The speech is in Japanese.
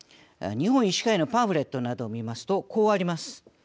日本医師会のパンフレットなどを見ますとこうあります。